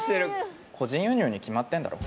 個人輸入に決まってるだろ。